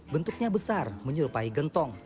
bentuknya besar menyerupai gentong